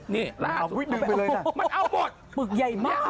นี่ล่าสุดมันเอาหมดปึกดึงไปเลยจ้ะ